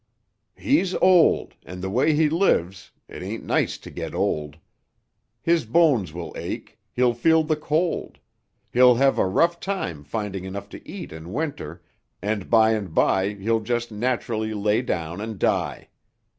"He's old, and the way he lives it ain't nice to get old. His bones will ache, he'll feel the cold, he'll have a rough time finding enough to eat in winter, and by and by he'll just naturally lay down and die.